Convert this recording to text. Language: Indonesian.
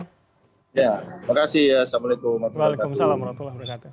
ya makasih ya assalamu'alaikum warahmatullahi wabarakatuh